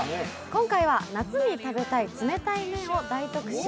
今回は夏に食べたい冷たい麺を大特集。